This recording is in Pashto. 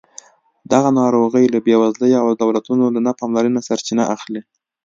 دغه ناروغۍ له بېوزلۍ او دولتونو له نه پاملرنې سرچینه اخلي.